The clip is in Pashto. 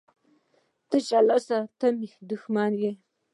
تشه لاسه ته مي دښمن يي.